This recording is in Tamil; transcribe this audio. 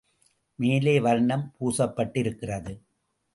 மேலே வர்ணம் பூசப்பட்டிருக்கிறது.